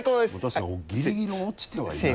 確かにギリギリ落ちてはいない。